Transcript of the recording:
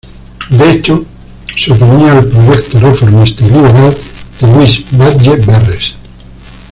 De hecho, se oponía al proyecto reformista y liberal de Luis Batlle Berres.